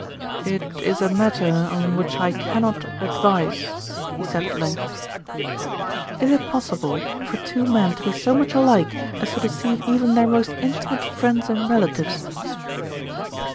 "It is a matter on which I cannot advise," he said at length. "Is it possible for two men to be so much alike as to deceive even their most intimate friends and rela tives?"